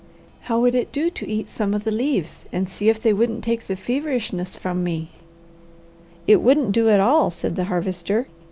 "How would it do to eat some of the leaves and see if they wouldn't take the feverishness from me?" "It wouldn't do at all," said the Harvester.